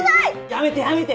やめてやめて！